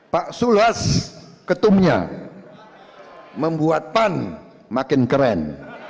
pak sulas ketumnya membuat pan makin keren